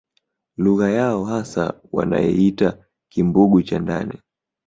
Lugha yao hasa wanaiita Kimbugu cha ndani